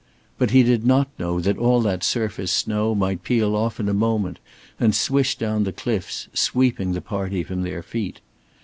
But he did not know that all that surface snow might peel off in a moment, and swish down the cliffs, sweeping the party from their feet.